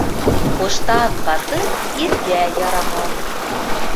Ҡуштан ҡатын иргә яраған